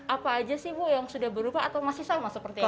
apa aja sih bu yang sudah berubah atau masih sama seperti ini